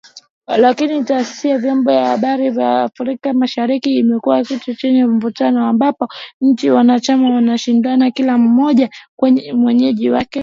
Lakini Taasisi ya Vyombo vya Habari Afrika Mashariki imekuwa ni kitu chenye mvutano, ambapo nchi wanachama wanashindana kila mmoja kuwa mwenyeji wake.